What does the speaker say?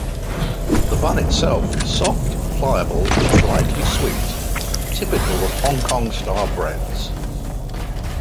The bun itself is soft, pliable and lightly sweet, typical of Hong Kong-style breads.